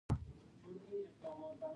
سترګې د احساس هنداره ده